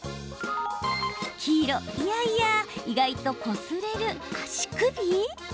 黄色・いやいや意外とこすれる足首？